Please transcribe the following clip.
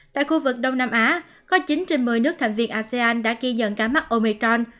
tại khu vực đông nam á có chín trên một mươi nước thành viên asean đã ghi nhận ca mắc ometron